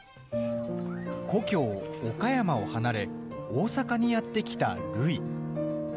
故郷・岡山を離れ大阪にやって来たるい。